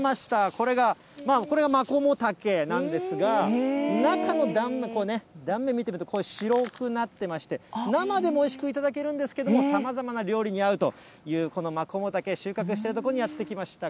これが、これがマコモタケなんですが、中の断面、こう、断面見てみると、白くなってまして、生でもおいしく頂けるんですけれども、さまざまな料理に合うというこのマコモタケ、収穫している所にやって来ました。